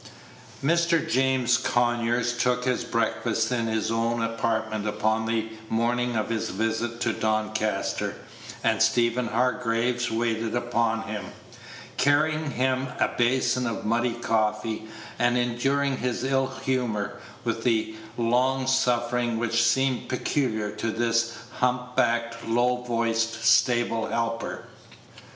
Mr. James Conyers took his breakfast in his own apartment upon the morning of his visit to Doncaster, and Stephen Hargraves waited Page 108 upon him, carrying him a basin of muddy coffee, and enduring his ill humor with the long suffering which seemed peculiar to this hump backed, low voiced stable helper.